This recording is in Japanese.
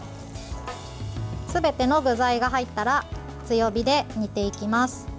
すべての具材が入ったら強火で煮ていきます。